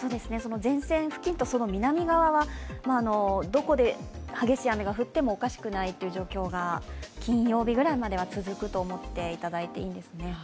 前線付近と南側はどこで激しい雨が降ってもおかしくないという状況が金曜日ぐらいまでは続くと思っていただいていいですね。